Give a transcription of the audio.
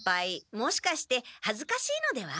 もしかしてはずかしいのでは？